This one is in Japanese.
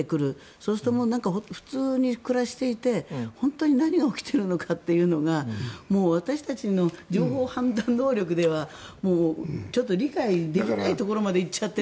そうすると普通に暮らしていて本当に何が起きてるかっていうのが私たちの情報判断能力ではちょっと理解できないところまで行っちゃっている。